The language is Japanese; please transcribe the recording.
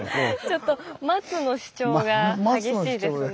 ちょっと松の主張が激しいですね。